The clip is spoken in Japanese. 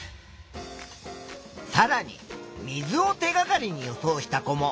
さらに水を手がかりに予想した子も。